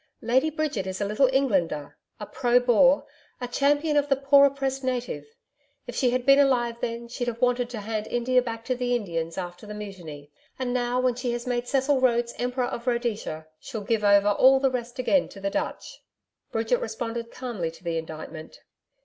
'Lady Bridget is a little Englander, a pro Boer, a champion of the poor oppressed native. If she had been alive then she'd have wanted to hand India back to the Indians after the Mutiny, and now when she has made Cecil Rhodes Emperor of Rhodesia, she'll give over all the rest again to the Dutch.' Bridget responded calmly to the indictment.